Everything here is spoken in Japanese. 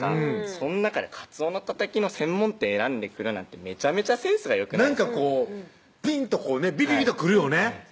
その中でかつおのたたきの専門店選んでくるなんてめちゃめちゃセンスがよくないですかなんかこうピンとこうねビビビとくるよね